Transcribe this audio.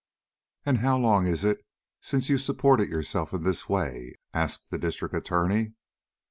"And how long is it since you supported yourself in this way?" asked the District Attorney.